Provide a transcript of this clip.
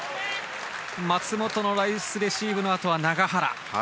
松本のナイスレシーブのあとは永原。